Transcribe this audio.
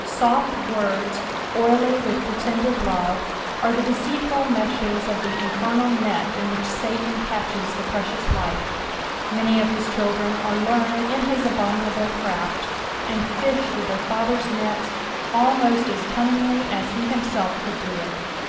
Soft words, oily with pretended love, are ttie deceitful meshes of the infernal net in which Satan catches the precious life ; many of his children are learned in his abominable craft, and fish with their father's nets, almost as cunningly as he himself could do it.